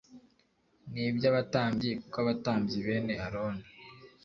n iby abatambyi kuko abatambyi bene aroni